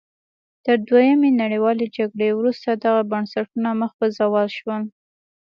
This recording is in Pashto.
تر دویمې نړیوالې جګړې وروسته دغه بنسټونه مخ په زوال شول.